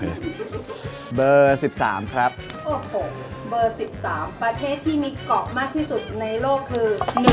โอ้โหเบอร์๑๓ประเทศที่มีเกาะมากที่สุดในโลกคือ